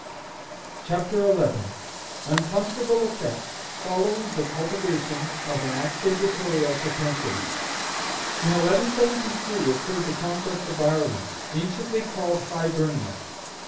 CONQUEST OF IRELAND: UNCOMFORTABLE EFFECTS FOLLOWING THE CULTIVATION OF AN ACQUISITORIAL PROPENSITY. In 1173 occurred the conquest of Ireland, anciently called Hibernia.